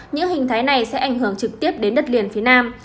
những hình thái này sẽ ảnh hưởng trực tiếp đến đất liền phía nam